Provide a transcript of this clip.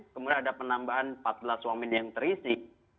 kemudian ada penambahan empat belas wamen yang terisi